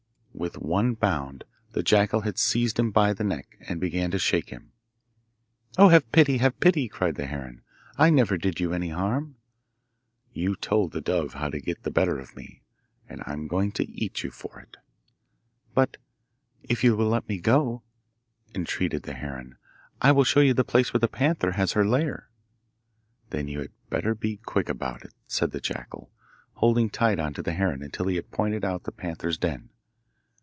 With one bound the jackal had seized him by the neck, and began to shake him. 'Oh, have pity, have pity!' cried the heron. 'I never did you any harm.' 'You told the dove how to get the better of me, and I am going to eat you for it.' 'But if you will let me go,' entreated the heron, 'I will show you the place where the panther has her lair.' 'Then you had better be quick about it,' said the jackal, holding tight on to the heron until he had pointed out the panther's den.